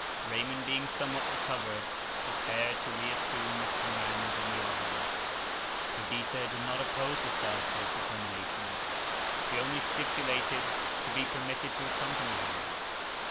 Raymond, being somewhat recovered, prepared to re assume his command in the army. Perdita did not oppose herself to his determination. She only stipulated to be permitted to accompany him.